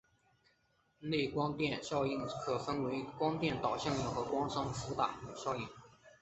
内光电效应又可分为光电导效应和光生伏打效应。